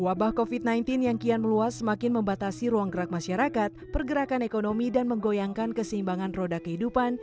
wabah covid sembilan belas yang kian meluas semakin membatasi ruang gerak masyarakat pergerakan ekonomi dan menggoyangkan keseimbangan roda kehidupan